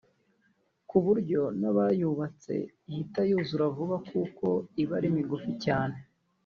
kuburyo n’abayubatse ihita yuzura vuba kuko iba ari migufi cyane